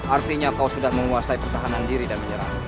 artinya kau sudah menguasai pertahanan diri dan menyerang